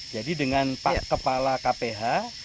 jadi dengan kepala kph